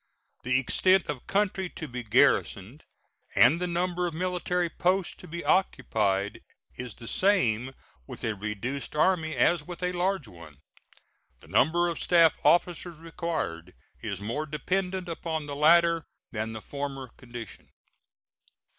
The extent of country to be garrisoned and the number of military posts to be occupied is the same with a reduced Army as with a large one. The number of staff officers required is more dependent upon the latter than the former condition.